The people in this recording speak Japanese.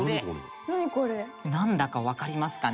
「なんだかわかりますかね？」